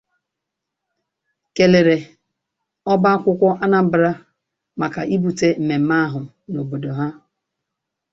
kèlèrè ọba akwụkwọ Anambra maka ibute mmemme ahụ n'obodo ha